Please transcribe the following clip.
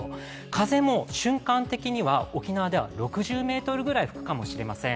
風も瞬間的には沖縄では６０メートルぐらい吹くかもしれません。